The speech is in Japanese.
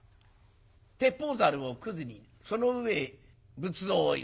鉄砲ざるをくずにその上へ仏像を置いた。